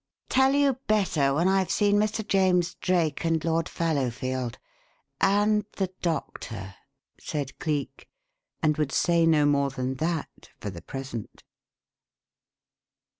"Tell you better when I've seen Mr. James Drake and Lord Fallowfield and the doctor," said Cleek, and would say no more than that for the present.